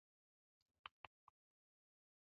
چې که يوه ښځمنه شاعري کوي